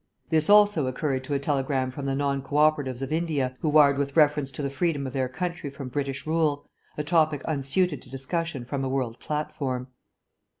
This also occurred to a telegram from the Non Co operatives of India, who wired with reference to the freedom of their country from British rule, a topic unsuited to discussion from a world platform.